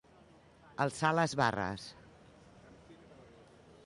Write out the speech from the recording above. Alçar les barres.